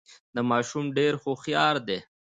دا ماشوم ډېر هوښیار دی.